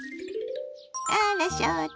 あら翔太。